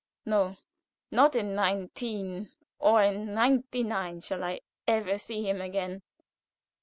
No not in nineteen, nor in ninety nine shall I ever see him again."